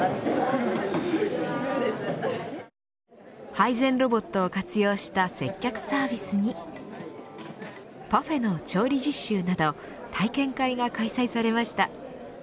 配膳ロボットを活用した接客サービスにパフェの調理実習など体験会が開催されました。